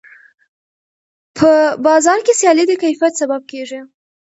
په بازار کې سیالي د کیفیت سبب کېږي.